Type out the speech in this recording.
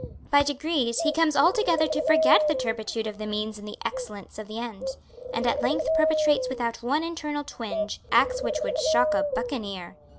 By degrees he comes altogether to forget the turpitude of the means in the excellence of the end, and at length perpetrates without one internal twinge acts which would shock a buccaneer.